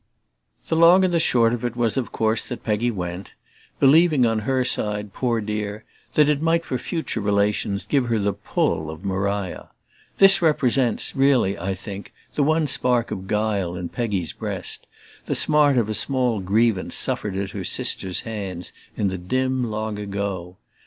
The long and short was of course that Peggy went; believing on her side, poor dear, that it might for future relations give her the pull of Maria. This represents, really, I think, the one spark of guile in Peggy's breast: the smart of a small grievance suffered at her sister's hands in the dim long ago.